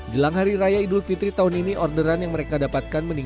jelang hari raya idul fitri tahun ini orderan yang menerima kebenaran dari warga sepatu ini